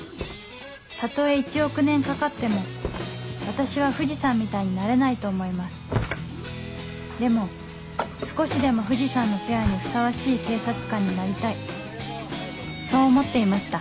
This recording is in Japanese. たとえ１億年かかっても私は藤さんみたいになれないと思いますでも少しでも藤さんのペアにふさわしい警察官になりたいそう思っていました